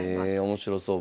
面白そう。